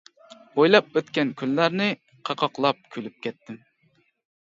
ئويلاپ ئۆتكەن كۈنلەرنى، قاقاقلاپ كۈلۈپ كەتتىم.